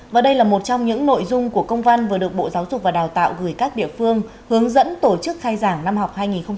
và đây là một trong những nội dung của công văn vừa được bộ giáo dục và đào tạo gửi các địa phương hướng dẫn tổ chức khai giảng năm học hai nghìn hai mươi hai nghìn hai mươi